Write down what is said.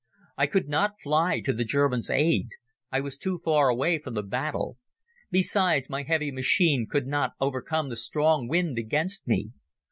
I could not fly to the German's aid. I was too far away from the battle. Besides, my heavy machine could not overcome the strong wind against me.